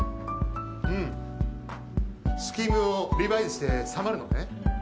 うんスキームをリバイズしてサマるのね？